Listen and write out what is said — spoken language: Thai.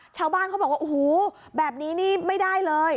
ชาวบ้านเขาบอกว่าโอ้โหแบบนี้นี่ไม่ได้เลย